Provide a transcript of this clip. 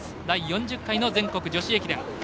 第４０回の全国女子駅伝。